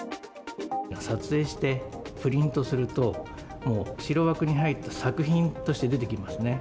撮影してプリントすると、白枠に入った作品として出てきますね。